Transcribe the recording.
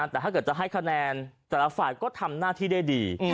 แต่ถ้าเกิดจะให้คะแนนแต่ละฝ่ายก็ทำหน้าที่ได้ดี